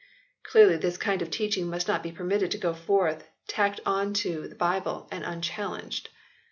Clearly this kind of teaching must not be permitted to go forth tacked on to the Bible and unchallenged.